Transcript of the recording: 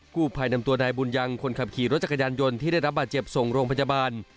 กู้ภัยนำตัวนายบุญยังคนขับขี่รถจักรยานยนต์ที่ได้รับบาดเจ็บส่งโรงพยาบาล